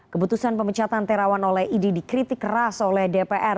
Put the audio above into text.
kebetusan pemecatan terawan oleh id dikritik keras oleh dpr